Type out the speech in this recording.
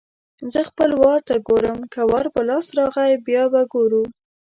زه خپل وار ته ګورم؛ که وار په لاس راغی - بیا به ګورو.